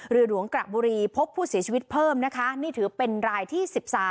เรือหลวงกระบุรีพบผู้เสียชีวิตเพิ่มนะคะนี่ถือเป็นรายที่๑๓